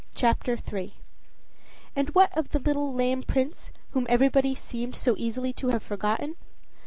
CHAPTER III And what of the little lame Prince, whom everybody seemed so easily to have forgotten?